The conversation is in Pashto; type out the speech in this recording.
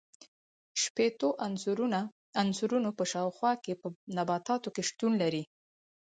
شپیتو عنصرونو په شاوخوا کې په نباتاتو کې شتون لري.